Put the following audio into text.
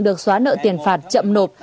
được xóa nợ tiền phạt chậm nộp